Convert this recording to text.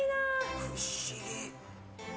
不思議！